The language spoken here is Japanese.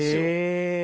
え！